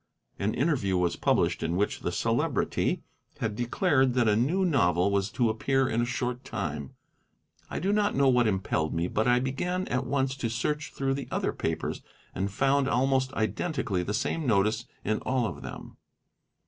An interview was published in which the Celebrity had declared that a new novel was to appear in a short time. I do not know what impelled me, but I began at once to search through the other papers, and found almost identically the same notice in all of them.